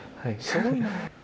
すごいな。